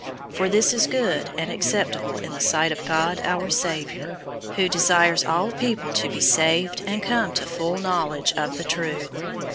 002:003 For this is good and acceptable in the sight of God our Savior; 002:004 who desires all people to be saved and come to full knowledge of the truth.